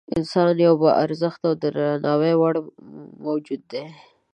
انسان یو با ارزښته او د درناوي وړ موجود دی.